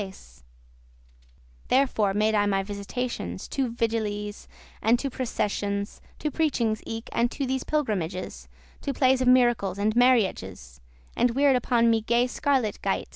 *appointed Therefore made I my visitations To vigilies,* and to processions, *festival eves<22> To preachings eke, and to these pilgrimages, To plays of miracles, and marriages, And weared upon me gay scarlet gites.